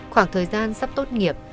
khoảng thời gian sắp tốt nghiệp